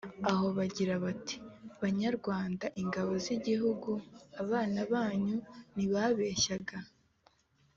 aho bagira bati: ''banyarwanda, ingabo z' i gihugu, abana banyu ''… ntibabeshyaga,